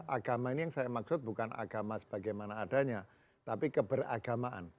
agama ini yang saya maksud bukan agama sebagaimana adanya tapi keberagamaan